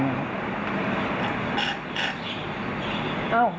เรื่องขันนี้